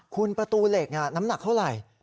คุณประตูเหล็กน้ำหนักเท่าไหร่